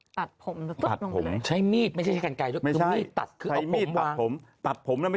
ตัดผมหรือซดลงไป